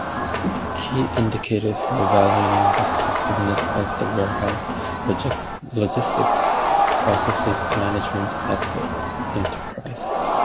Key indicators for evaluating the effectiveness of warehouse logistics processes management at the enterprise